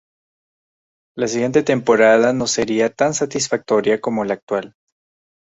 La siguiente temporada no sería tan satisfactoria como la actual.